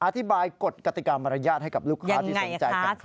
อธิบายกฎกติกรรมรยาติให้กับลูกค้าที่สนใจขนขันให้ซ่าว